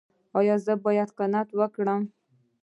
ایا زه باید قناعت وکړم؟